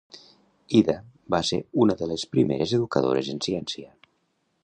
Ida va ser una de les primeres educadores en ciència.